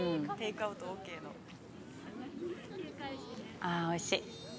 ああ、おいしい。